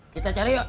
kita cari yuk